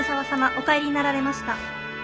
お帰りになられました。